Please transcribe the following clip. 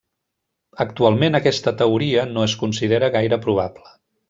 Actualment, aquesta teoria no es considera gaire probable.